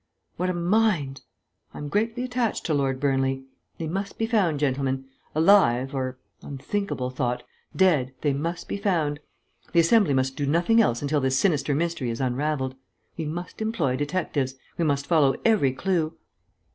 What a mind! I am greatly attached to Lord Burnley. They must be found, gentlemen. Alive or (unthinkable thought) dead, they must be found. The Assembly must do nothing else until this sinister mystery is unravelled. We must employ detectives. We must follow every clue."